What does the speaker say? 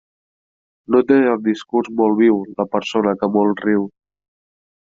No té el discurs molt viu la persona que molt riu.